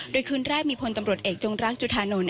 โดยคืนแรกมีพลตำรวจเอกจงรักจุธานนท์